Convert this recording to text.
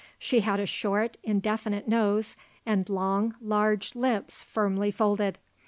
She had a short, indefinite nose and long, large lips firmly folded.